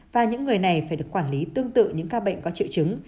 và những người này phải được quản lý tương tự những ca bệnh có triệu chứng